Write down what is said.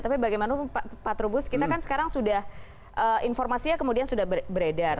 tapi bagaimana pak trubus kita kan sekarang sudah informasinya kemudian sudah beredar